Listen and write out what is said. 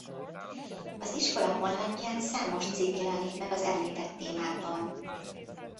Az iskola honlapján számos cikk jelenik meg az említett témákban.